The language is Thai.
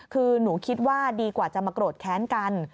คือหนูคิดว่าดีกว่าจะมาโกรธแค้นกัน